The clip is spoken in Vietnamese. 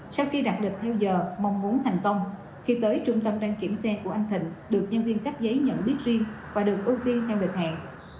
sau khi đặt địch theo giờ mong muốn thành công khi tới trung tâm đăng kiểm xe của anh thịnh được nhân viên cắp giấy nhận biết riêng và được ưu tiên theo địch hạn